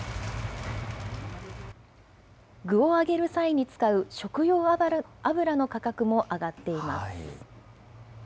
具を揚げる際に使う食用油の価格も上がっています。